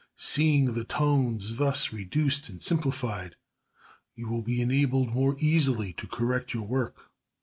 Seeing the tones thus reduced and simplified, you will be enabled more easily to correct your work.